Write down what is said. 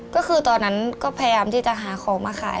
ก็คือตอนนั้นก็พยายามที่จะหาของมาขาย